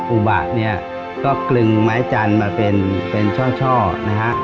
อุบะกลึงไม้จันทร์มาเป็นช่วง